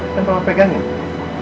kan kamu pegangin